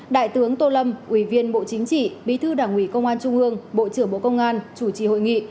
đại tướng tô lâm ủy viên bộ chính trị bí thư đảng ủy công an trung ương bộ trưởng bộ công an chủ trì hội nghị